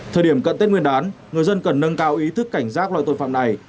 thời điểm cận tết nguyên đán người dân cần nâng cao ý thức cảnh giác loại tội phạm này